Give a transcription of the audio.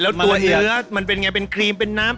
แล้วตัวเนื้อมันเป็นไงเป็นครีมเป็นน้ำ